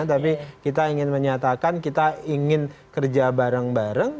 tapi kita ingin menyatakan kita ingin kerja bareng bareng